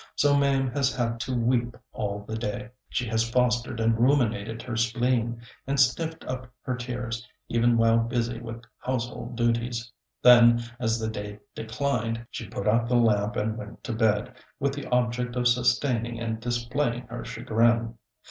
So Mame has had to weep all the day. She has fostered and ruminated her spleen, and sniffed up her tears, even while busy with household duties. Then, as the day declined, she put out the lamp and went to bed, with the object of sustaining and displaying her chagrin.